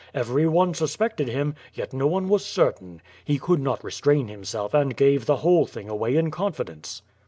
Every one suspected him, yet no one was certain. He could not restrain himself and gave the whole thing away in confidence.